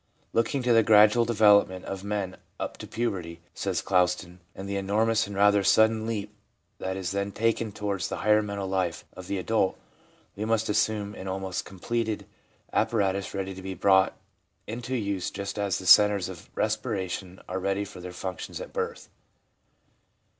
* Looking to the gradual develop ment of men up to puberty/ says Clouston, 'and the enormous and rather sudden leap that is then taken towards the higher mental life of the adult, we must assume an almost completed apparatus ready to be brought into use just as the centres of respiration are ready for their functions at birth.'